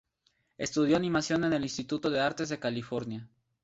Estudió animación en el Instituto de las Artes de California.